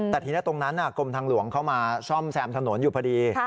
แต่ทีนี้ตรงนั้นกรมทางหลวงเข้ามาซ่อมแซมถนนอยู่พอดี